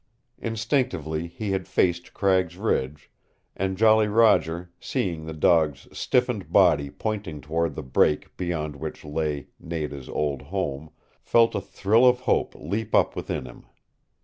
Instinctively he had faced Cragg's Ridge and Jolly Roger, seeing the dog's stiffened body pointing toward the break beyond which lay Nada's old home, felt a thrill of hope leap up within him.